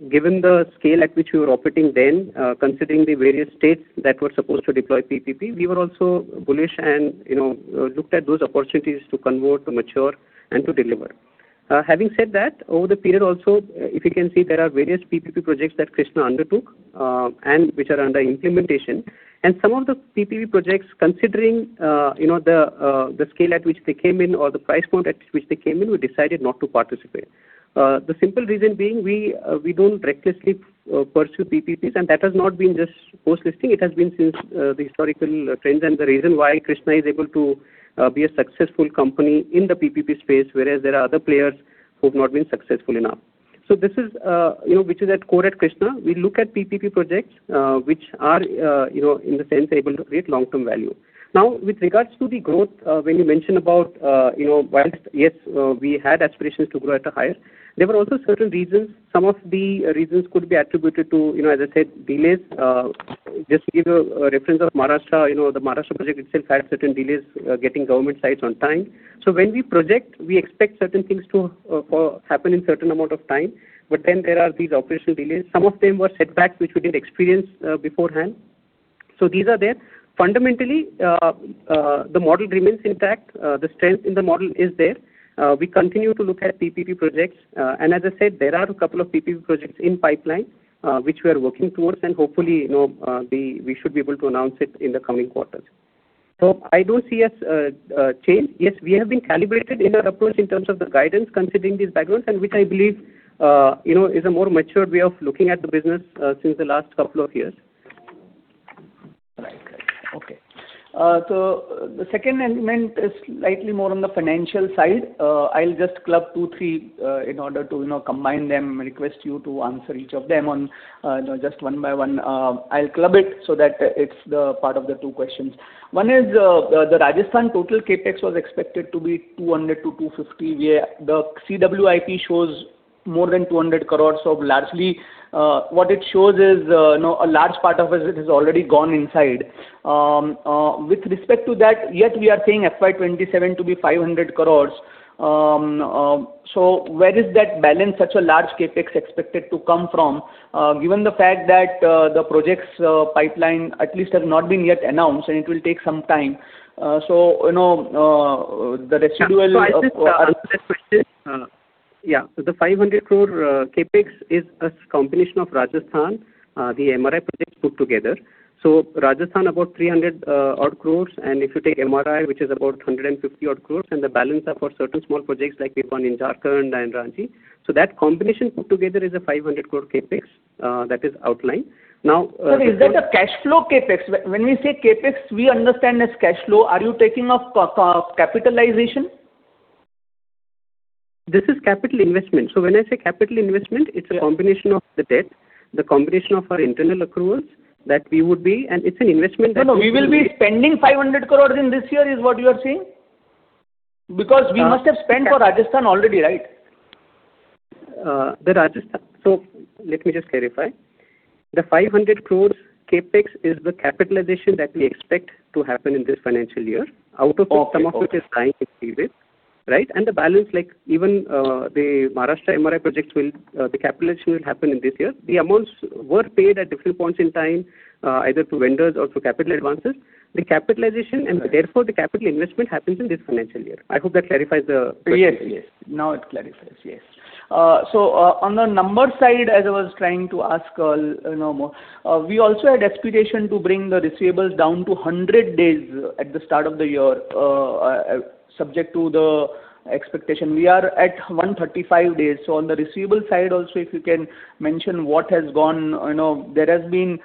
given the scale at which we were operating then, considering the various states that were supposed to deploy PPP, we were also bullish and looked at those opportunities to convert, to mature, and to deliver. Having said that, over the period also, if you can see there are various PPP projects that Krsnaa undertook, and which are under implementation. Some of the PPP projects, considering the scale at which they came in or the price point at which they came in, we decided not to participate. The simple reason being, we don't recklessly pursue PPPs, and that has not been just post-listing. It has been since the historical trend and the reason why Krsnaa is able to be a successful company in the PPP space, whereas there are other players who've not been successful enough. This is which is at core at Krsnaa. We look at PPP projects which are in a sense able to create long-term value. With regards to the growth, when you mention about while, yes, we had aspirations to go at a higher, there were also certain reasons. Some of the reasons could be attributed to, as I said, delays. Just to give you a reference of Maharashtra, the Maharashtra project itself had certain delays getting government sites on time. When we project, we expect certain things to happen in a certain amount of time. There are these operational delays. Some of them were setbacks which we didn't experience beforehand. These are there. Fundamentally, the model remains intact. The strength in the model is there. We continue to look at PPP projects. As I said, there are a couple of PPP projects in pipeline, which we are working towards, and hopefully, we should be able to announce it in the coming quarters. I don't see a change. Yes, we have been calibrated in our approach in terms of the guidance considering these backgrounds, and which I believe is a more mature way of looking at the business since the last couple of years. Right. Okay. The second element is slightly more on the financial side. I'll just club two, three in order to combine them and request you to answer each of them on just one by one. I'll club it so that it's the part of the two questions. One is the Rajasthan total CapEx was expected to be 200-250. The CWIP shows more than 200 crore. Largely, what it shows is a large part of it has already gone inside. With respect to that, yet we are saying FY 2027 to be 500 crore. Where is that balance, such a large CapEx expected to come from? Given the fact that the project's pipeline at least has not been yet announced, so it will take some time. The schedule of- Yeah. The 500 crore CapEx is a combination of Rajasthan, the MRI projects put together. Rajasthan, about 300 odd crores, and if you take MRI, which is about 150 odd crores, and the balance are for certain small projects like we've done in Jharkhand and Ranchi. That combination put together is a 500 crore CapEx that is outlined. Is that a cash flow CapEx? When we say CapEx, we understand it's cash flow. Are you taking up capitalization? This is capital investment. When I say capital investment, it's a combination of the debt, the combination of our internal accruals. We will be spending 500 crores in this year, is what you are saying? Because you must have spent for Rajasthan already, right? let me just clarify. The 500 crores CapEx is the capitalization that we expect to happen in this financial year out of some of which is time period, right? The balance like even the Maharashtra MRI projects will, the capitalization will happen in this year. The amounts were paid at different points in time either to vendors or to capital advances. The capitalization and therefore the capital investment happens in this financial year. I hope that clarifies. Clear. Yes. Now it clarifies. Yes. On the numbers side, as I was trying to ask, we also had expectation to bring the receivables down to 100 days at the start of the year, subject to the expectation. We are at 135 days. On the receivable side also, if you can mention what has gone. There has been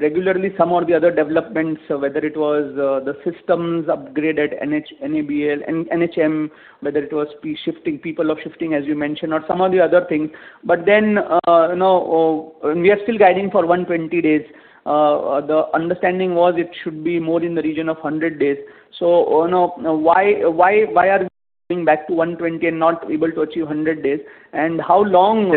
regularly some or the other developments, whether it was the systems upgrade at NHM, whether it was people up-shifting, as you mentioned, or some of the other things. We are still guiding for 120 days. The understanding was it should be more in the region of 100 days. Why are we? Coming back to 120 and not able to achieve 100 days. How long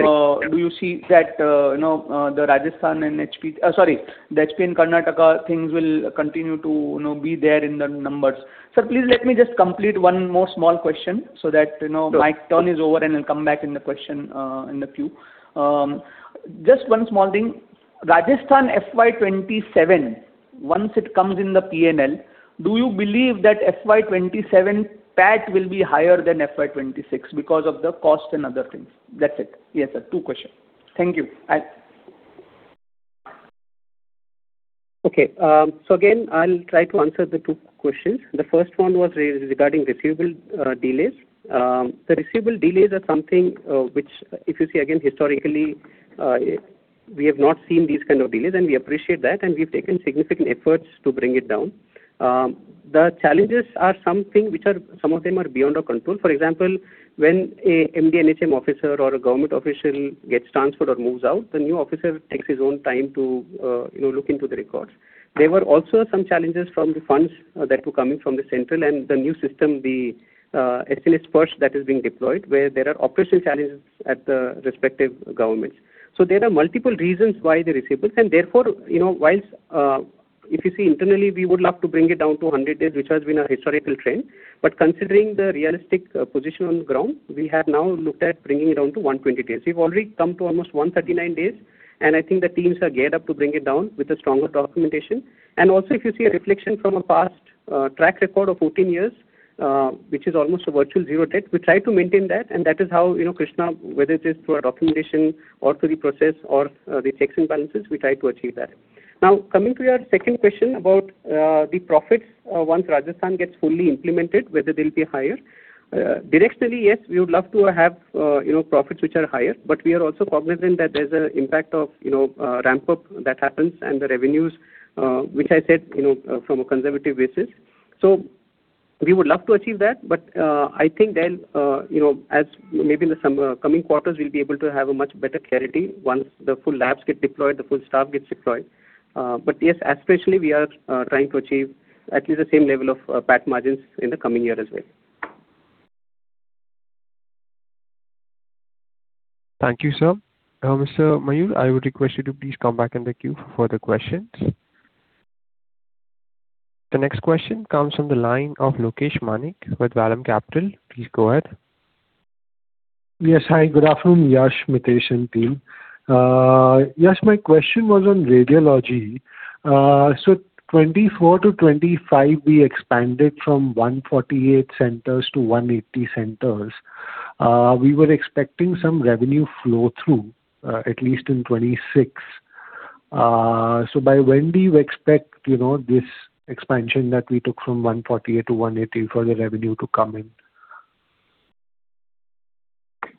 do you see that the Rajasthan and, sorry, the HP and Karnataka things will continue to be there in the numbers? Sir, please let me just complete one more small question so that my turn is over, and I'll come back in the question in the queue. Just one small thing. Rajasthan FY 2027, once it comes in the P&L, do you believe that FY 2027 PAT will be higher than FY 2026 because of the cost and other things? That's it. Yes, sir, two questions. Thank you. Okay. Again, I'll try to answer the two questions. The first one was regarding receivable delays. The receivable delays are something which if you see again historically, we have not seen these kind of delays, and we appreciate that, and we've taken significant efforts to bring it down. The challenges are something which are, some of them are beyond our control. For example, when a MD, NHM officer or a government official gets transferred or moves out, the new officer takes his own time to look into the records. There were also some challenges from the funds that were coming from the central and the new system, the [SHH purse] that is being deployed, where there are operational challenges at the respective governments. There are multiple reasons why the receivables, and therefore, whilst if you see internally, we would love to bring it down to 100 days, which has been a historical trend. Considering the realistic position on the ground, we have now looked at bringing it down to 120 days. We've already come to almost 139 days, and I think the teams are geared up to bring it down with a stronger documentation. Also, if you see a reflection from a past track record of 14 years, which is almost a virtual zero debt, we try to maintain that and that is how, Krsnaa, whether it is through our documentation or through the process or the sanction balances, we try to achieve that. Now, coming to your second question about the profits once Rajasthan gets fully implemented, whether they'll be higher. Directly, yes, we would love to have profits which are higher, but we are also cognizant that there's an impact of ramp-up that happens and the revenues, which I said from a conservative basis. We would love to achieve that, but I think then as maybe in the coming quarters, we'll be able to have a much better clarity once the full labs get deployed, the full staff gets deployed. Yes, especially we are trying to achieve at least the same level of PAT margins in the coming year as well. Thank you, sir. Mr. Mayur, I would request you to please come back in the queue for further questions. The next question comes from the line of Lokesh Manik with Vallum Capital. Please go ahead. Yes. Hi, good afternoon. Yash, Mitesh and team. Yash, my question was on radiology. 2024-2025, we expanded from 148 centers-180 centers. We were expecting some revenue flow-through, at least in 2026. By when do you expect this expansion that we took from 148-180 for the revenue to come in?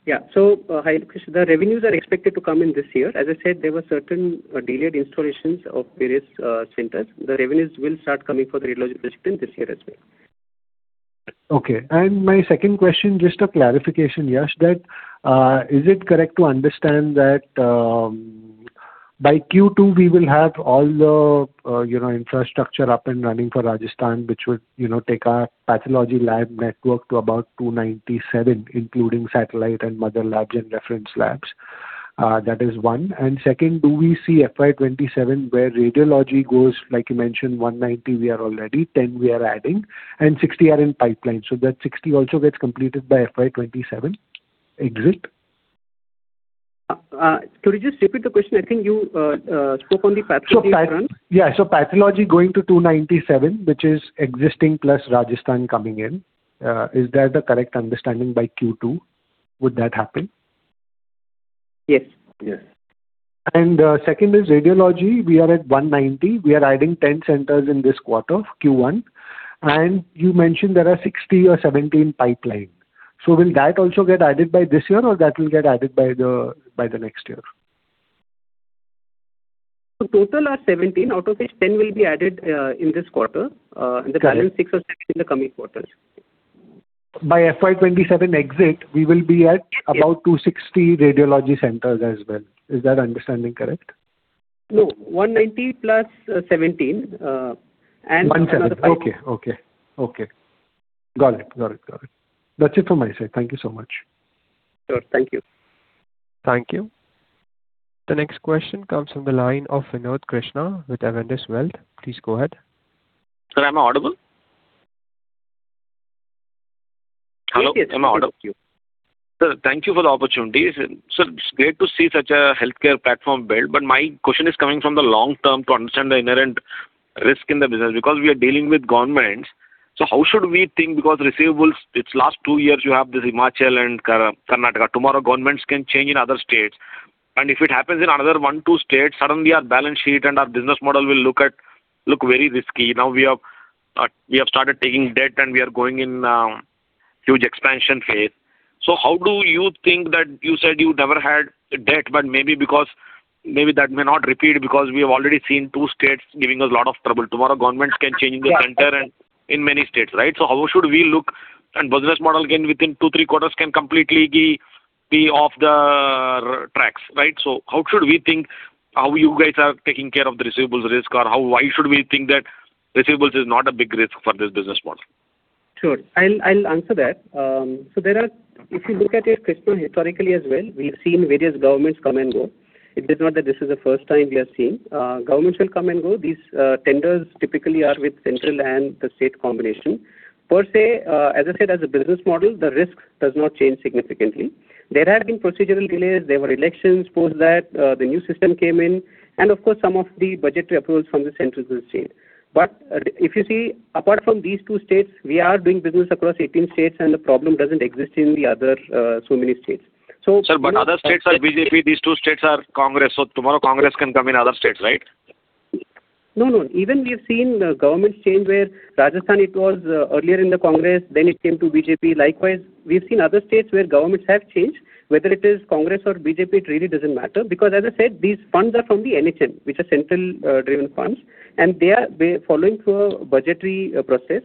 Yeah. The revenues are expected to come in this year. As I said, there were certain delayed installations of various centers. The revenues will start coming for the radiology business this year as well. Okay. My second question, just a clarification, Yash, that is it correct to understand that by Q2 we will have all the infrastructure up and running for Rajasthan, which would take our pathology lab network to about 297, including satellite and mother labs and reference labs. That is one. Second, do we see FY 2027 where radiology goes, like you mentioned, 190 we are already, 10 we are adding, and 60 are in pipeline, so that 60 also gets completed by FY 2027 exit? Could you just repeat the question? I think you spoke only pathology front. Yeah. Pathology going to 297, which is existing plus Rajasthan coming in. Is that the correct understanding by Q2? Would that happen? Yes. Second is radiology. We are at 190. We are adding 10 centers in this quarter, Q1. You mentioned there are 60 or 70 in pipeline. Will that also get added by this year, or that will get added by the next year? Total are 70, out of which 10 will be added in this quarter. The balance six or seven in the coming quarters. By FY 2027 exit, we will be at about 260 radiology centers as well. Is that understanding correct? No, 190+17. 17. Okay. Got it. That's it from my side. Thank you so much. Sure. Thank you. Thank you. The next question comes from the line of Vinod Krishna with Avendus Wealth. Please go ahead. Sir, am I audible? Yes. Am I audible? Sir, thank you for the opportunity. Sir, it's great to see such a healthcare platform build, my question is coming from the long term to understand the inherent risk in the business. We are dealing with governments, how should we think because receivables, it's last two years, you have this Himachal and Karnataka. Tomorrow, governments can change in other states. If it happens in another one, two states, suddenly our balance sheet and our business model will look very risky. Now we have started taking debt, we are going in a huge expansion phase. How do you think that you said you never had debt, maybe that may not repeat because we have already seen two states giving us a lot of trouble. Tomorrow, governments can change in the center and in many states, right? How should we look at business model can within two, three quarters can completely be off the tracks. How should we think how you guys are taking care of the receivables risk, or why should we think that receivables is not a big risk for this business model? Sure. I'll answer that. If you look at your Krsnaa historically as well, we've seen various governments come and go. It is not that this is the first time we have seen. Governments will come and go. These tenders typically are with central and the state combination. Per se, as I said, as a business model, the risk does not change significantly. There have been procedural delays. There were elections post that, the new system came in, and of course, some of the budget approvals from the centers will change. If you see, apart from these two states, we are doing business across 18 states, and the problem doesn't exist in the other so many states. Other states are BJP, these two states are Congress. Tomorrow Congress can come in other states, right? Even we have seen governments change where Rajasthan it was earlier in the Congress, then it came to BJP. Likewise, we've seen other states where governments have changed. Whether it is Congress or BJP, it really doesn't matter because, as I said, these funds are from the NHM, which are central-driven funds, and they're following through a budgetary process.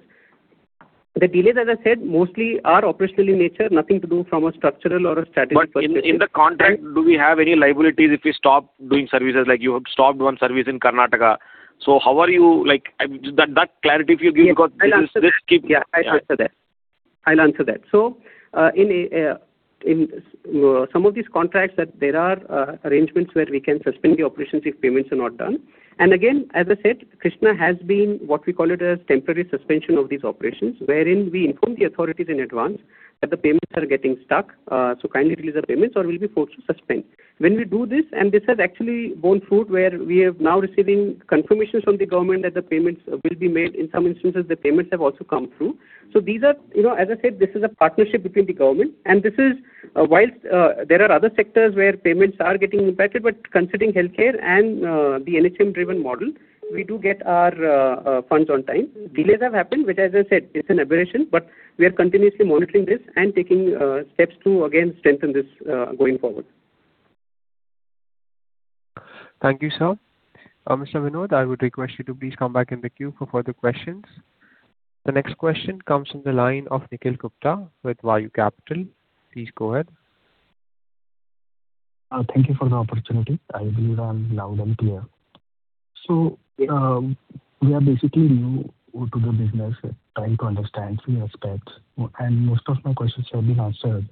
The delays, as I said, mostly are operational in nature, nothing to do from a structural or a strategic perspective. In the contract, do we have any liabilities if we stop doing services, like you have stopped one service in Karnataka. Is that clarity for you because this. I'll answer that. In some of these contracts, there are arrangements where we can suspend the operations if payments are not done. Again, as I said, Krsnaa has been what we call it a temporary suspension of these operations, wherein we inform the authorities in advance that the payments are getting stuck, kindly release the payments or we'll be forced to suspend. When we do this, and this has actually borne fruit, where we are now receiving confirmations from the government that the payments will be made. In some instances, the payments have also come through. As I said, this is a partnership between the government and this is why there are other sectors where payments are getting better. Considering healthcare and the NHM-driven model, we do get our funds on time. Delays have happened, which, as I said, it's an aberration, but we are continuously monitoring this and taking steps to again strengthen this going forward. Thank you, sir. Mr. Vinod, I would request you to please come back in the queue for further questions. The next question comes from the line of Nikhil Gupta with Kadens Capital. Please go ahead. Thank you for the opportunity. I believe I'm loud and clear. We are basically new to the business, trying to understand few aspects, and most of my questions have been answered.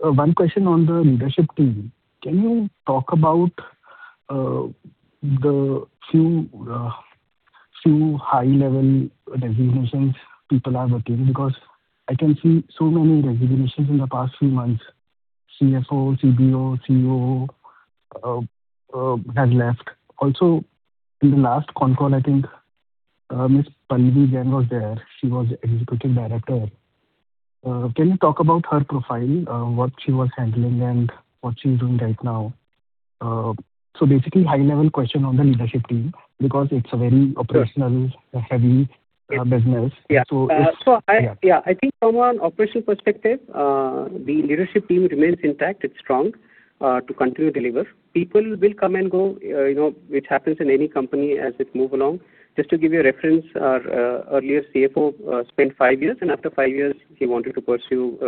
One question on the leadership team. Can you talk about the few high-level resignations people have attained? I can see so many resignations in the past few months. CSO, CBO, CEO have left. In the last conference call, I think Pallavi Jain was there. She was the executive director. Can you talk about her profile, what she was handling, and what she's doing right now? Basically a high-level question on the leadership team because it's a very operational-heavy business. Yeah. I think from an operations perspective, the leadership team remains intact. It's strong to continue to deliver. People will come and go. It happens in any company as it move along. Just to give you a reference, our earlier CFO spent five years, and after five years, he wanted to pursue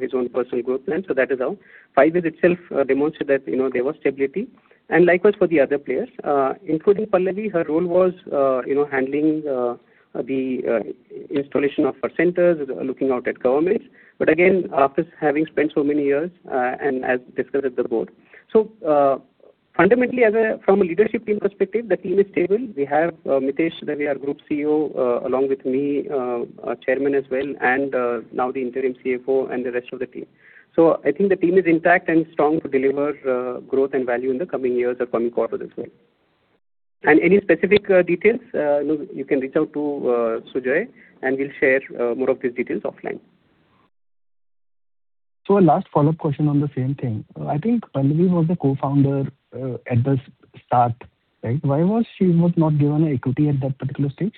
his own personal growth plan. That is how. Five years itself demonstrated that there was stability, and likewise for the other players. Including Pallavi, her role was handling the installation of our centers, looking out at government. Again, after having spent so many years and as discussed with the board. Fundamentally, from a leadership team perspective, the team is stable. We have Mitesh, our group CEO, along with me, Chairman as well, and now the interim CFO and the rest of the team. I think the team is intact and strong to deliver growth and value in the coming years and coming quarter the same. Any specific details, you can reach out to Sujoy, and we'll share more of these details offline. Last follow-up question on the same thing. I think Pallavi was the co-founder at the start, right? Why was she not given equity at that particular stage?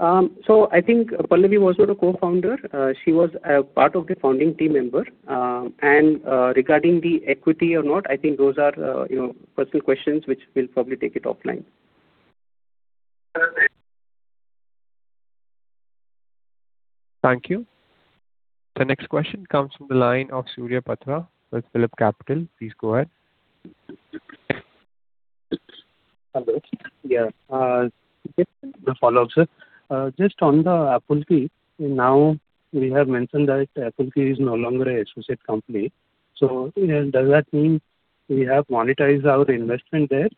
I think Pallavi was not a co-founder. She was a part of the founding team member. Regarding the equity or not, I think those are personal questions which we'll probably take it offline. Okay. Thank you. The next question comes from the line of Surya Patra with PhillipCapital. Please go ahead. Hello. Yeah. Just a follow-up, sir. Just on the Apulki. Now, we have mentioned that Apulki is no longer an associate company. Does that mean we have monetized our investment there?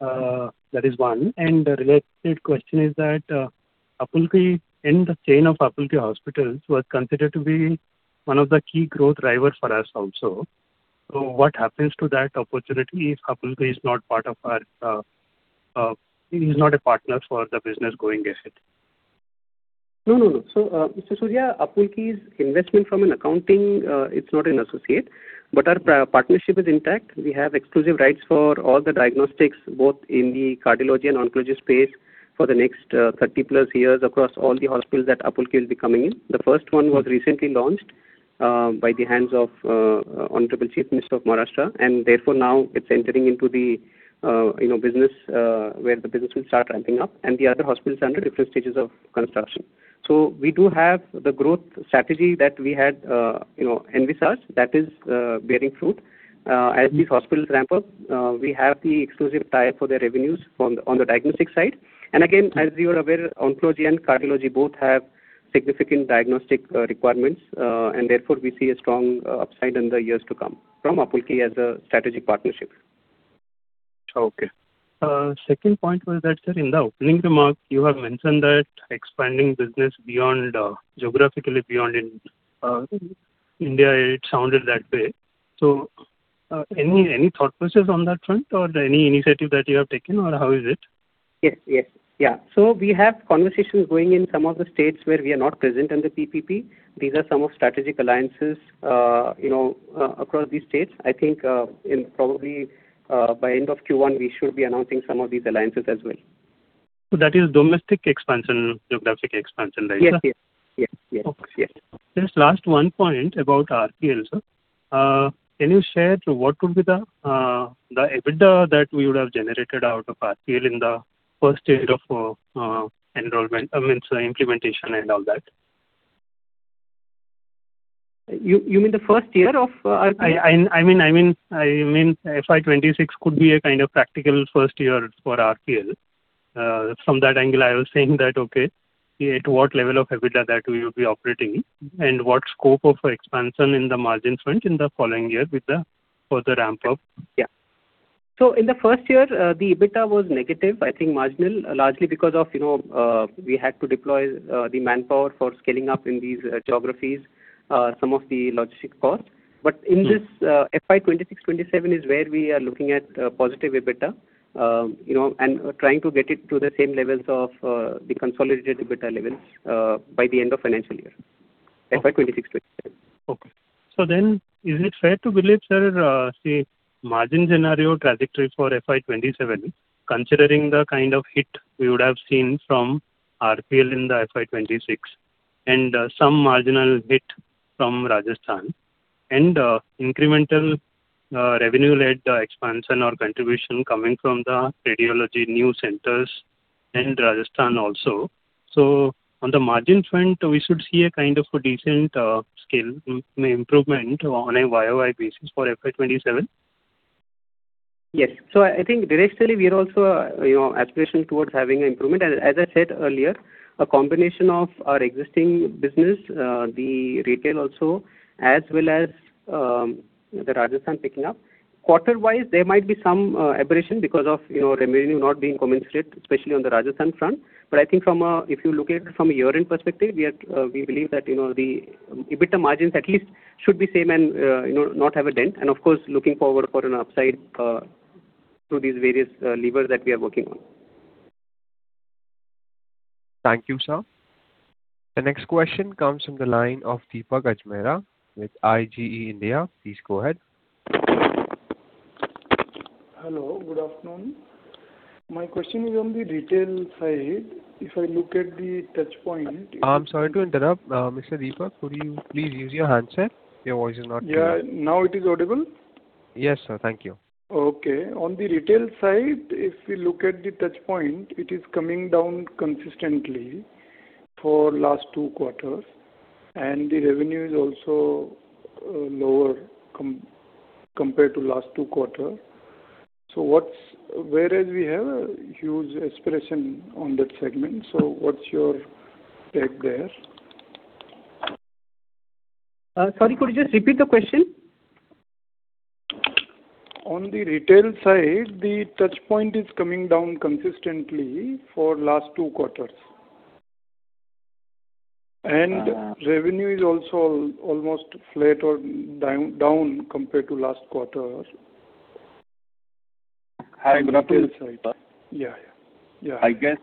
That is one. The related question is that Apulki, in the chain of Apulki Hospitals, was considered to be one of the key growth drivers for us also. What happens to that opportunity if Apulki is not a partner for the business going ahead? No. Surya, Apulki's investment from an accounting, it's not an associate, but our partnership is intact. We have exclusive rights for all the diagnostics, both in the cardiology and oncology space for the next 30+ years across all the hospitals that Apulki will be coming in. The first one was recently launched by the hands of Honorable Chief Minister of Maharashtra. Therefore now it's entering into the business where the business will start ramping up, the other hospitals are under different stages of construction. We do have the growth strategy that we had envisaged that is bearing fruit. As the hospitals ramp up, we have the exclusive tie for the revenues on the diagnostic side. Again, as you are aware, oncology and cardiology both have significant diagnostic requirements, and therefore we see a strong upside in the years to come from Apulki as a strategic partnership. Okay. Second point was that, sir, in the opening remark, you have mentioned that expanding business geographically beyond India. It sounded that way. Any thought process on that front or any initiative that you have taken, or how is it? Yes. We have conversations going in some of the states where we are not present in the PPP. These are some of strategic alliances across these states. I think probably by end of Q1, we should be announcing some of these alliances as well. That is domestic geographic expansion like that? Yes. Okay. There is last one point about RPL, sir. Can you share what would be the EBITDA that we would have generated out of RPL in the first year of enrollment, I mean, sir, implementation and all that? You mean the first year of RPL? I mean, FY 2026 could be a kind of practical first year for RPL. From that angle, I was saying that, okay, to what level of EBITDA that we will be operating in and what scope of expansion in the margin front in the following year with the further ramp-up? Yeah. In the first year, the EBITDA was negative, I think marginal, largely because of we had to deploy the manpower for scaling up in these geographies, some of the logistic costs. In this FY 2026, 2027 is where we are looking at positive EBITDA, and trying to get it to the same levels of the consolidated EBITDA levels by the end of financial year FY 2026, 2027. Is it fair to believe, sir, say margin scenario trajectory for FY 2027, considering the kind of hit we would have seen from RPL in FY 2026 and some marginal hit from Rajasthan and incremental revenue led expansion or contribution coming from the radiology new centers in Rajasthan also? On the margin front, we should see a kind of a decent scale improvement on a YOY basis for FY 2027. Yes. I think directly we are also aspiration towards having an improvement. As I said earlier, a combination of our existing business, the retail also, as well as the Rajasthan picking up. Quarter wise, there might be some aberration because of revenue not being commensurate, especially on the Rajasthan front. I think if you look at it from a year-end perspective, we believe that the EBITDA margins at least should be same and not have a dent, and of course, looking forward for an upside to these various levers that we are working on. Thank you, sir. The next question comes from the line of Deepak Ajmera with IGE India. Please go ahead. Hello, good afternoon. My question is on the retail side. If I look at the touchpoint. I'm sorry to interrupt, Mr. Deepak, could you please use your handset? Your voice is not clear. Yeah. Now it is audible? Yes, sir. Thank you. Okay. On the retail side, if we look at the touchpoint, it is coming down consistently for last two quarters, the revenue is also lower compared to last two quarters. Whereas we have a huge aspiration on that segment. What's your take there? Sorry, could you repeat the question? On the retail side, the touchpoint is coming down consistently for last two quarters, and revenue is also almost flat or down compared to last quarter. I guess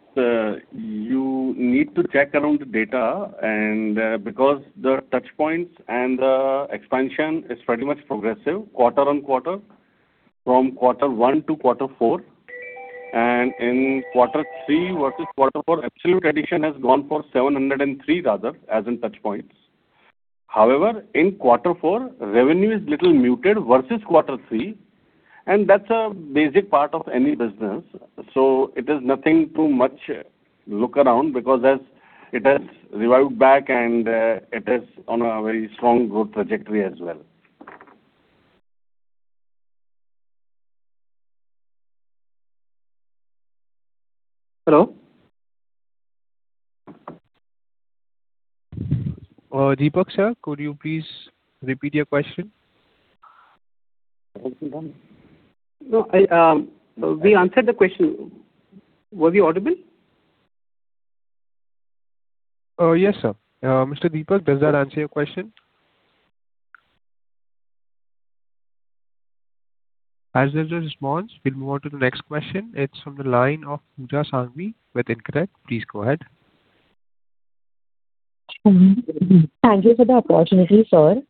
you need to check around the data and because the touchpoints and the expansion is pretty much progressive quarter-on-quarter from quarter one to quarter four, and in quarter three versus quarter four, absolute addition has gone for 703 rather as in touchpoints. In quarter four, revenue is little muted versus quarter three, and that's a basic part of any business. It is nothing too much look around because as it has revived back and it is on a very strong growth trajectory as well. Hello. Deepak, sir, could you please repeat your question? We answered the question. Were we audible? Yes, sir. Mr. Deepak, does that answer your question? As there's no response, we'll move on to the next question. It's from the line of Pooja Sareen with Inc42. Please go ahead. Thank you for the opportunity, sir.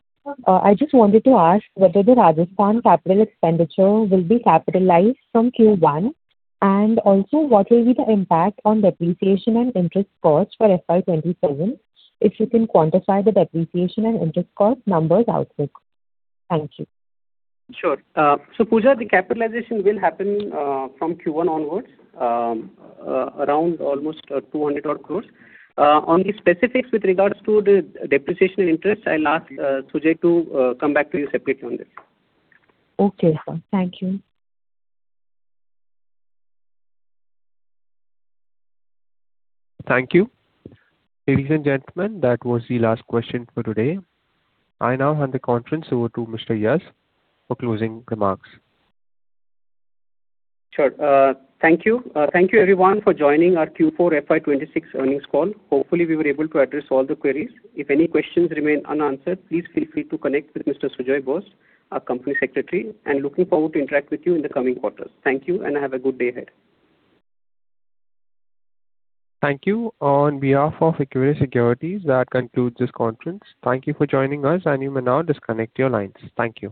I just wanted to ask whether the Rajasthan capital expenditure will be capitalized from Q1, and also what will be the impact on depreciation and interest costs for FY 2027? If you can quantify the depreciation and interest cost numbers outlook. Thank you. Sure. Pooja, the capitalization will happen from Q1 onwards, around almost 200 crores. On the specifics with regards to the depreciation interest, I'll ask Sujoy Bose to come back to you separately on this. Okay, sir. Thank you. Thank you. Ladies and gentlemen, that was the last question for today. I now hand the conference over to Mr. Yash for closing remarks. Sure. Thank you. Thank you everyone for joining our Q4 FY 2026 earnings call. Hopefully, we were able to address all the queries. If any questions remain unanswered, please feel free to connect with Mr. Sujoy Bose, our company secretary, and looking forward to interact with you in the coming quarters. Thank you, and have a good day ahead. Thank you. On behalf of Equirus Securities, that concludes this conference. Thank you for joining us, and you may now disconnect your lines. Thank you.